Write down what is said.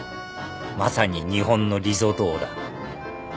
まさに日本のリゾート王だ。